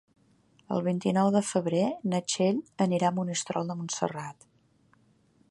El vint-i-nou de febrer na Txell anirà a Monistrol de Montserrat.